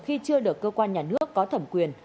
khi chưa được cơ quan nhà nước có thẩm quyền